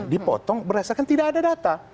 dipotong berdasarkan tidak ada data